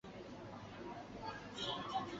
勒梅斯尼阿芒。